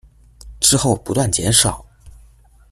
之后不断减少。